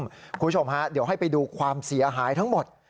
คุณผู้ชมฮะเดี๋ยวให้ไปดูความเสียหายทั้งหมด